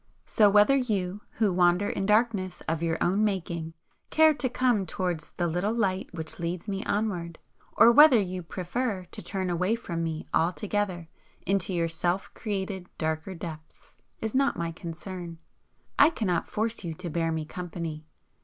So whether you, who wander in darkness of your own making, care to come towards the little light which leads me onward, or whether you prefer to turn away from me altogether into your self created darker depths, is not my concern. I cannot force you to bear me company.